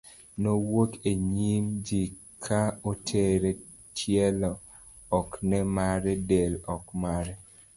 nowuok e nyim ji ka oreto, tielo ok ne mare, del ok mare